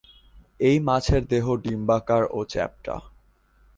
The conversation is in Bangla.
এই মাছের দেহ ডিম্বাকার ও চ্যাপ্টা।